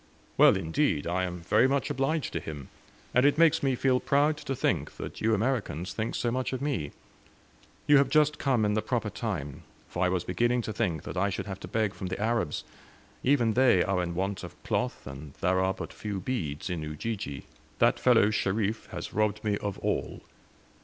"Well, indeed! I am very much obliged to him; and it makes me feel proud to think that you Americans think so much of me. You have just come in the proper time; for I was beginning to think that I should have to beg from the Arabs. Even they are in want of cloth, and there are but few beads in Ujiji. That fellow Sherif has robbed me of all.